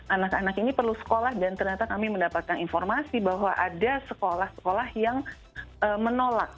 anak anak ini perlu sekolah dan ternyata kami mendapatkan informasi bahwa ada sekolah sekolah yang menolak